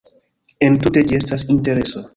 Entute ĝi estas interesa.